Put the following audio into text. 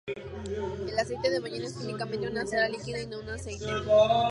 El aceite de ballena es químicamente una cera líquida y no un aceite.